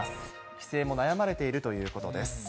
帰省も悩まれているということです。